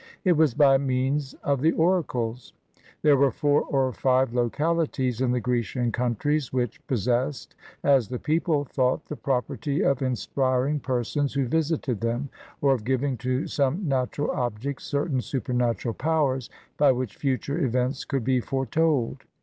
It was by means of the oracles. There were four or five localities in the Grecian countries which possessed, as the people thought, the property of inspir ing persons who visited them, or of giving to some natu ral object certain supernatural powers by which future events could be foretold.